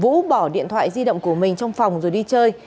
vũ bỏ điện thoại di động của mình trong phòng rồi đi chơi